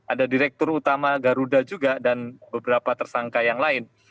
ada direktur utama garuda juga dan beberapa tersangka yang lain